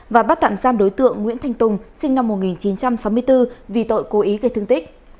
và bắt tạm giam đối tượng nguyễn thanh tùng sinh năm một nghìn chín trăm sáu mươi bốn vì tội cố ý gây thương tích